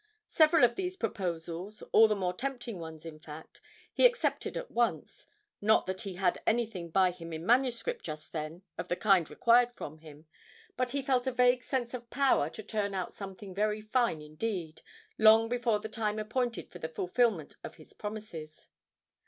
Several of these proposals all the more tempting ones, in fact he accepted at once; not that he had anything by him in manuscript just then of the kind required from him, but he felt a vague sense of power to turn out something very fine indeed, long before the time appointed for the fulfilment of his promises.